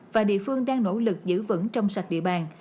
và địa phương đang nỗ lực giữ vững trong sạch địa bàn